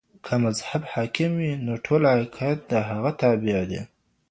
که مذهب حاکم وي نو ټول عقايد د هغه تابع دي.